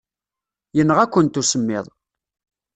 Yenɣa-kent usemmiḍ.